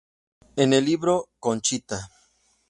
En el libro "Conchita.